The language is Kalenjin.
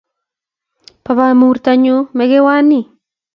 Bo bomurtanyu mekewani